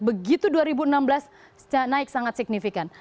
begitu dua ribu enam belas naik sangat signifikan